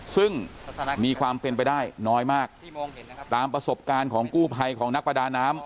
ซึ่งมีความเป็นไปได้น้อยมากตามประสบการณ์ของกู้ภัยของนักประดาน้ำ